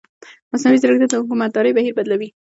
مصنوعي ځیرکتیا د حکومتدارۍ بهیر بدلوي.